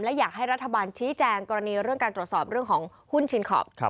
และอยากให้รัฐบาลชี้แจงกรณีเรื่องการตรวจสอบเรื่องของหุ้นชินคอป